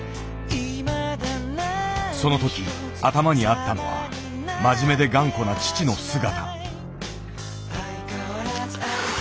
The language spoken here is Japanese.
その時頭にあったのは真面目で頑固な父の姿。